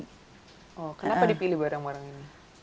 oh kenapa dipilih barang barang ini